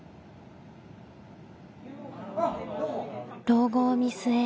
老後を見据え